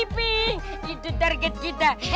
iping itu target kita